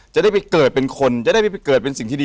จะได้ไปเกิดเป็นคนจะได้เกิดเป็นสิ่งที่ดี